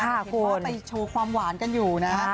เพราะว่าไปโชว์ความหวานกันอยู่นะฮะ